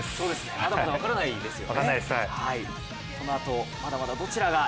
まだまだ分からないですよね。